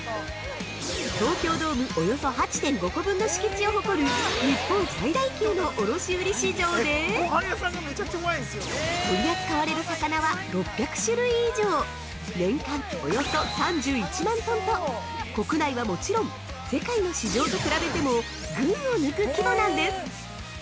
東京ドームおよそ８．５個分の敷地を誇る日本最大級の卸売市場で取り扱われる魚は６００種類以上、年間およそ３１万トンと、国内はもちろん、世界の市場と比べても群を抜く規模なんです！